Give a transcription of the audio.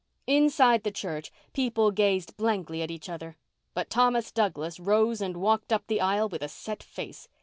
Inside the church people gazed blankly at each other, but Thomas Douglas rose and walked up the aisle with a set face.